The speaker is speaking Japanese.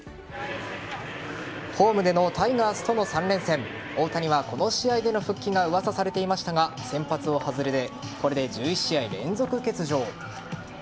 ホームでのタイガースとの３連戦大谷は、この試合での復帰が噂されていましたが先発を外れこれで１１試合連続欠場。